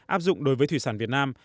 áp dụng đối với thủy sản việt nam